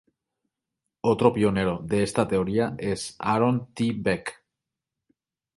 Otro pionero de esta teoría es Aaron T. Beck.